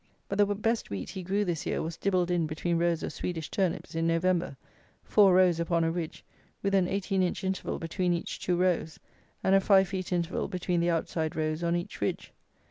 But the best wheat he grew this year was dibbled in between rows of Swedish Turnips, in November, four rows upon a ridge, with an eighteen inch interval between each two rows, and a five feet interval between the outside rows on each ridge.